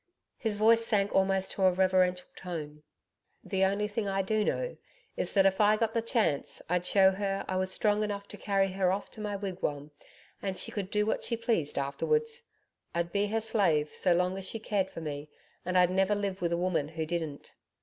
His voice sank almost to a reverential tone. 'The only thing I do know is that if I got the chance, I'd show her I was strong enough to carry her off to my wigwam and she could do what she pleased afterwards. I'd be her slave so long as she cared for me and I'd never live with a woman who didn't.'